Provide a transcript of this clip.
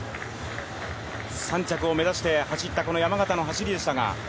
３着を目指して走った山縣の走りでしたが。